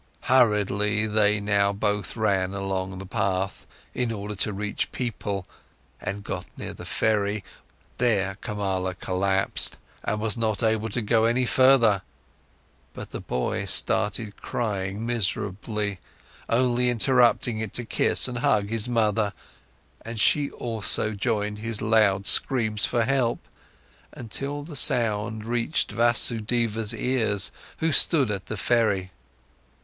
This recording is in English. Hurriedly, they now both ran along the path, in order to reach people, and got near to the ferry, there Kamala collapsed, and was not able to go any further. But the boy started crying miserably, only interrupting it to kiss and hug his mother, and she also joined his loud screams for help, until the sound reached Vasudeva's ears, who stood at the ferry.